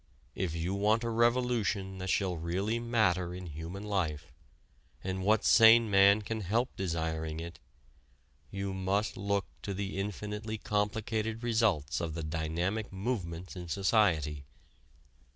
If you want a revolution that shall really matter in human life and what sane man can help desiring it? you must look to the infinitely complicated results of the dynamic movements in society.